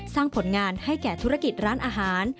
ผลงานให้แก่ธุรกิจร้านอาหาร